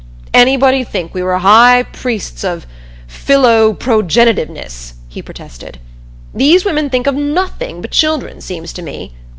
"Anybody'd think we were High Priests of of Philoprogenitiveness!" he protested. "These women think of nothing but children, seems to me!